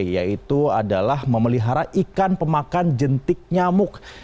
yaitu adalah memelihara ikan pemakan jentik nyamuk